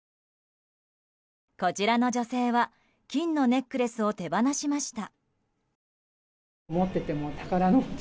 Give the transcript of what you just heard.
こちらの女性は金のネックレスを手放しました。